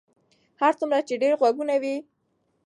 هر څومره چې ډېر غږونه وي.